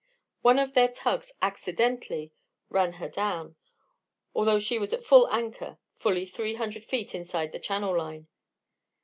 One of their tugs 'accidentally' ran her down, although she was at anchor fully three hundred feet inside the channel line.